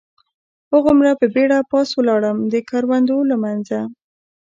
هغومره په بېړه پاس ولاړم، د کروندو له منځه.